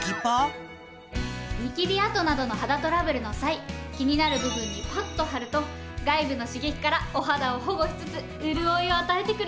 ニキビ跡などの肌トラブルの際気になる部分にパッと貼ると外部の刺激からお肌を保護しつつ潤いを与えてくれるの。